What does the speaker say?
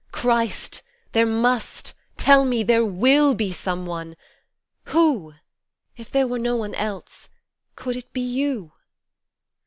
Christ ! there must, Tell me there will be some one. Who ?. If there were no one else, could it be You